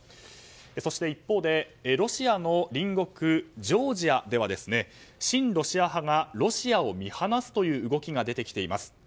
そして、一方でロシアの隣国ジョージアでは親ロシア派がロシアを見離すという動きが出てきています。